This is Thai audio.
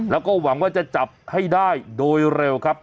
แล้วก็หวังว่าจะจับให้ได้โดยเร็วครับ